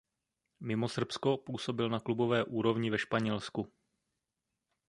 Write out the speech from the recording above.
Mimo Srbsko působil na klubové úrovni ve Španělsku.